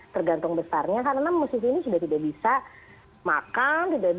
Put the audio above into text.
tergantung besarnya karena musisi ini sudah tidak bisa makan